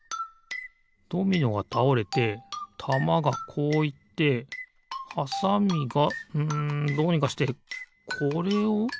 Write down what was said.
ドミノがたおれてたまがこういってはさみがうんどうにかしてこれをおすのかな？